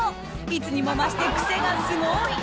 いつにも増してクセがスゴい